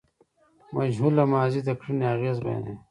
مجهوله ماضي د کړني اغېز بیانوي.